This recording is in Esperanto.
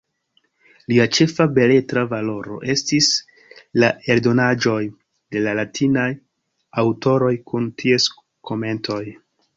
Lia ĉefa beletra valoro estis la eldonaĵoj de la latinaj aŭtoroj kun ties komentoj.